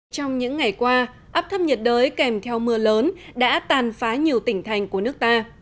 trong những ngày qua áp thấp nhiệt đới kèm theo mưa lớn đã tàn phá nhiều tỉnh thành của nước ta